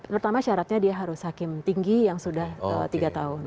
pertama syaratnya dia harus hakim tinggi yang sudah tiga tahun